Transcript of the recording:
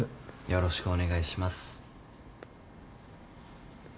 よろしくお願いします。